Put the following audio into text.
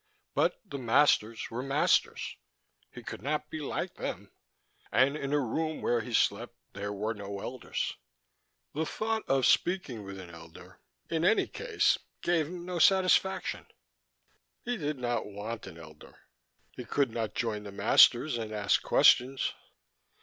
But the masters were masters: he could not be like them. And in the room where he slept there were no elders. The thought of speaking with an elder, in any case, gave him no satisfaction. He did not want an elder: he could not join the masters and ask questions.